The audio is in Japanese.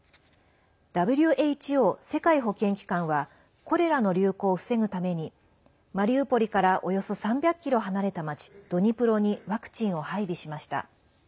ＷＨＯ＝世界保健機関はコレラの流行を防ぐためにマリウポリからおよそ３００ｋｍ離れた町ドニプロにワクチンを配備しました。